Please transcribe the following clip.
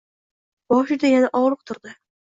Boshida yana og‘riq turdi.